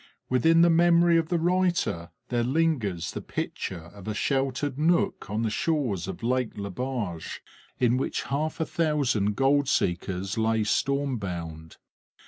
Within the memory of the writer there lingers the picture of a sheltered nook on the shores of Lake Le Barge, in which half a thousand gold seekers lay storm bound.